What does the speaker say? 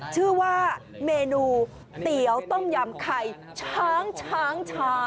ชื่อว่าเมนูเตี๋ยวต้มยำไข่ช้างชา